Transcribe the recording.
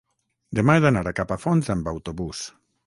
demà he d'anar a Capafonts amb autobús.